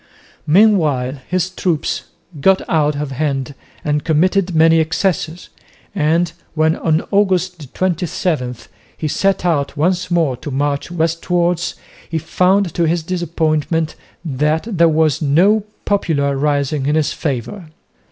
Meanwhile his troops got out of hand and committed many excesses, and when, on August 27, he set out once more to march westwards, he found to his disappointment that there was no popular rising in his favour.